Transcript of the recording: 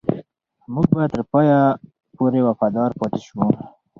موږ به تر پایه پورې وفادار پاتې شو.